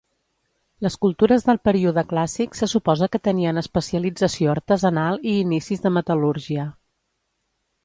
Les cultures del Període clàssic se suposa que tenien especialització artesanal i inicis de metal·lúrgia.